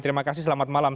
terima kasih selamat malam